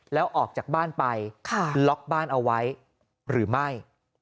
แล้วออกจากบ้านไปล็อกบ้านเอาไว้หรือไม่